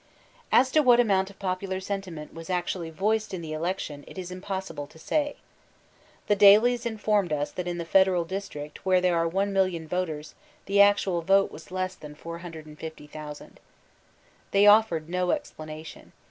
As to what amount of popular sentiment was actually voiced in the election, it is impossible to say. The dailies informed us that in the Federal District where there are 1,000,000 voters, the actual vote was less than 450,000. Thb Mexican Rbvolotion 273 Tbej offered no explanation.